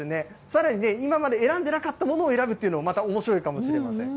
さらに今まで選んでなかったのを選ぶというのもまたおもしろいかもしれません。